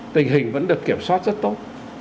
tình hình vẫn được kiểm soát rất tốt